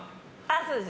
そうです。